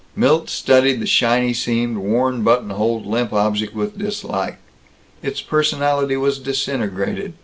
Milt studied the shiny seamed, worn buttonholed, limp object with dislike. Its personality was disintegrated.